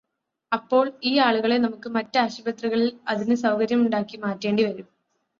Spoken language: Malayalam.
അപ്പോൾ ഈ ആളുകളെ നമുക്ക് മറ്റ് ആശുപത്രികളിൽ അതിന് സൗകര്യമുണ്ടാക്കി മാറ്റേണ്ടി വരും.